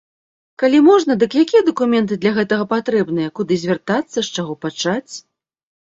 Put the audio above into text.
Калі можна, дык якія дакументы для гэтага патрэбныя, куды звяртацца, з чаго пачаць?